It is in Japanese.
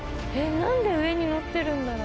なんで上に載ってるんだろう。